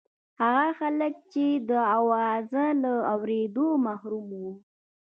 هغه خلک چې د اواز له اورېدو محروم وو.